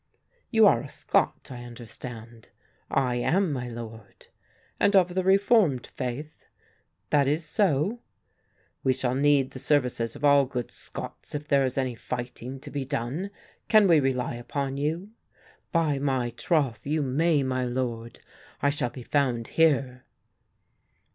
"You are a Scot I understand." "I am, my Lord." "And of the reformed faith?" "That is so." "We shall need the services of all good Scots if there is any fighting to be done. Can we rely upon you?" "By my troth, you may, my Lord; I shall be found here."